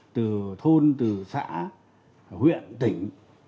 từ thôn từ xã huyện tỉnh